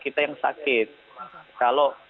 kita yang sakit kalau